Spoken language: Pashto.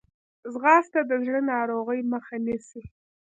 ځغاسته د زړه ناروغۍ مخه نیسي